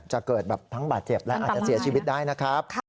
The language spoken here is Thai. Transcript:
เกิดแบบทั้งบาดเจ็บและอาจจะเสียชีวิตได้นะครับ